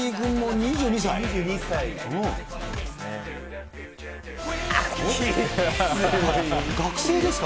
２２歳ですね。